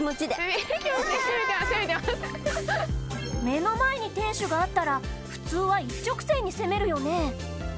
目の前に天守があったら普通は一直線に攻めるよね？